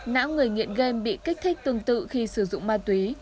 não người nghiện game bị kích thích tương tự khi sử dụng ma túy